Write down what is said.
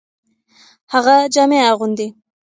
هغه جامي اغوندي .